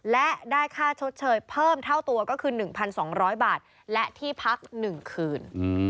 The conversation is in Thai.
และได้ค่าชดเชยเพิ่มเท่าตัวก็คือ๑๒๐๐บาทและที่พัก๑คืน